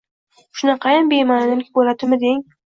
Shunaqayam bema’nilik bo’ladimi deng?